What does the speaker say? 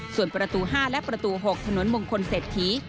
ส่วนประตู๕และประตู๖ถนนมงคลเศรษฐี